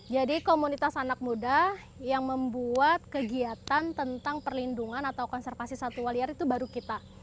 jadi komunitas anak muda yang membuat kegiatan tentang perlindungan atau konservasi satu waliar itu baru kita